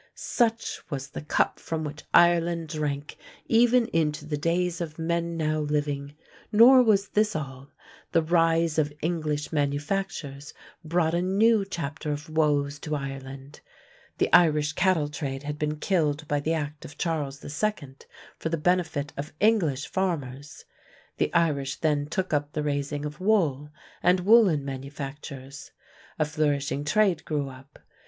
'" Such was the cup from which Ireland drank even into the days of men now living. Nor was this all. The rise of English manufactures brought a new chapter of woes to Ireland. The Irish cattle trade had been killed by an Act of Charles II. for the benefit of English farmers. The Irish then took up the raising of wool and woolen manufactures. A flourishing trade grew up.